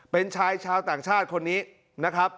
เป็นชายชาวต่างชาติคนนี้นะครับ